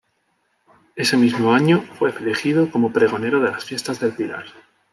Ese mismo año fue elegido como pregonero de las Fiestas del Pilar.